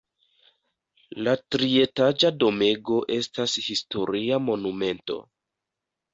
La trietaĝa domego estas historia monumento.